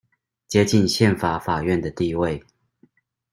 接近憲法法院的地位